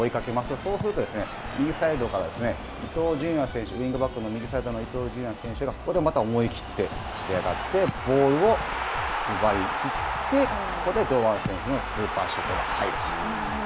そうすると、右サイドから伊東純也選手、ウイングバックのここでまた思い切って、かけ上がって、ボールを奪いきって、ここで堂安選手のスーパーショットが入ると。